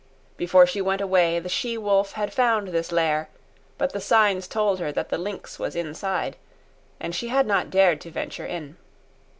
Before she went away, the she wolf had found this lair, but the signs told her that the lynx was inside, and she had not dared to venture in.